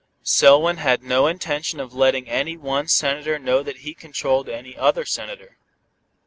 Selwyn had no intention of letting any one Senator know that he controlled any other senator.